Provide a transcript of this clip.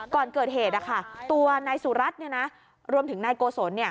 ก่อนเกิดเหตุตัวนายสุรัตน์รวมถึงนายโกศล